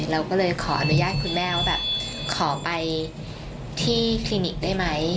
เราก็เลยขออนุญาตคุณแม่ว่าแบบขอไปที่คลินิกได้ไหม